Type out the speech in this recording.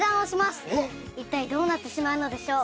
一体どうなってしまうのでしょう？